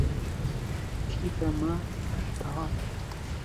Kêfa me pir dihat